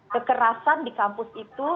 kekerasan di kampus itu